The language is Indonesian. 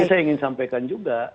jadi saya ingin sampaikan juga